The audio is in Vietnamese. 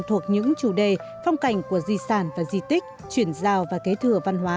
thuộc những chủ đề phong cảnh của di sản và di tích chuyển giao và kế thừa văn hóa